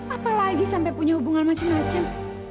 apalagi sampai punya hubungan macem macem